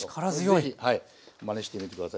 是非まねしてみて下さい。